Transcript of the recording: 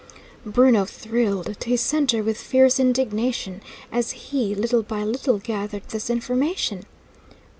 Bruno thrilled to his centre with fierce indignation as he, little by little, gathered this information.